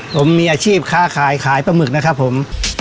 ผมมีอาชีพค้าขายขายปลาหมึกนะครับผม